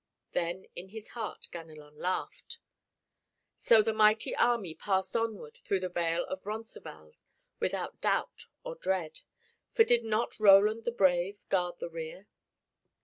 Then in his heart Ganelon laughed. So the mighty army passed onward through the vale of Roncesvalles without doubt or dread, for did not Roland the brave guard the rear?